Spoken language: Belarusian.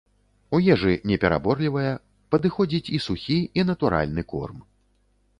У ежы непераборлівая, падыходзіць і сухі, і натуральны корм.